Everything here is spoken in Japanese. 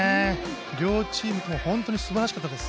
両チームとも本当に素晴らしかったです。